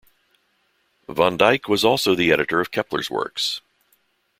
Von Dyck was also the editor of Kepler's works.